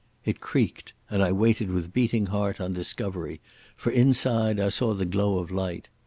It creaked and I waited with beating heart on discovery, for inside I saw the glow of light.